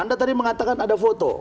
anda tadi mengatakan ada foto